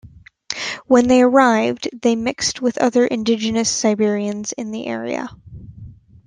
When they arrived they mixed with other indigenous Siberians in the area.